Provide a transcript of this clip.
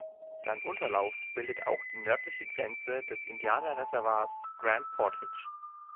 Sein Unterlauf bildet auch die nördliche Grenze des Indianerreservats Grand Portage.